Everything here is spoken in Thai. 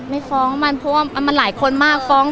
ไม่ฟ้องมันเพราะว่ามันหลายคนมากฟ้อง